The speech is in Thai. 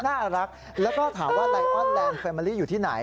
น่ารักแล้วก็ถามว่าไลออนแลนดแรมอรี่อยู่ที่ไหน